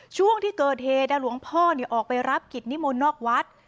ช่วงที่เกิดเหตุหลวงพ่อออกไปรับกิจนิมนต์นอกวัด